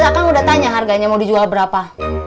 terus akang udah tanya harganya mau dijual berapa